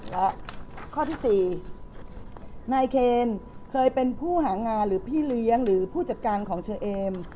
และข้อที่๔นายเคนเคยเป็นผู้หางานหรือพี่เลี้ยงหรือผู้จัดการของเชอเอม